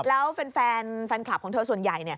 แล้วแฟนคลับของเธอส่วนใหญ่